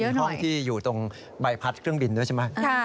เป็นห้องที่อยู่ตรงใบพัดเครื่องบินด้วยใช่ไหม